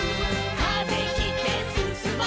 「風切ってすすもう」